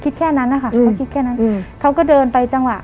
คิดแค่นั้นนะคะเขาคิดแค่นั้นอืมเขาก็เดินไปจังหวะ